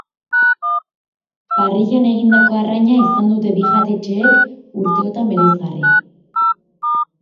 Parrilan egindako arraina izan dute bi jatetxeek urteotan bereizgarri.